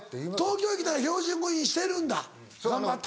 東京へ来たら標準語にしてるんだ頑張って。